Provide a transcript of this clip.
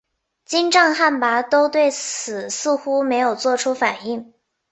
金帐汗拔都对此似乎没有作出反应。